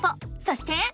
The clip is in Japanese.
そして。